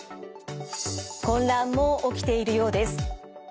混乱も起きているようです。